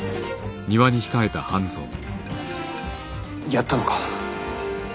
やったのか？